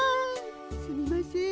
すみません